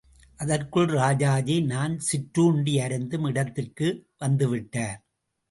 அதற்குள் ராஜாஜி நான் சிற்றுண்டி அருந்தும் இடத்திற்கு வந்துவிட்டார்.